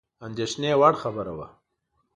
اندېښني وړ خبره وه.